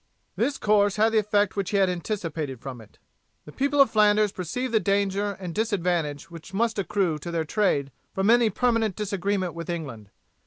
This course had the effect which he had anticipated from it. The people of Flanders perceived the danger and disadvantage which must accrue to their trade from any permanent disagreement with England.